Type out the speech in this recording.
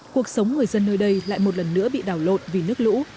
cuộc sống người dân nơi đây lại một lần nữa bị đảo lộn vì nước lũ